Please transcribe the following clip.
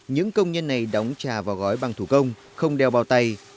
những công nhân này đóng trà vào gói bằng thủ công không đeo bao tay